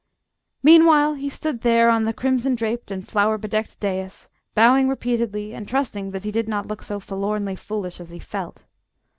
Meanwhile he stood there on the crimson draped and flower bedecked dais, bowing repeatedly, and trusting that he did not look so forlornly foolish as he felt.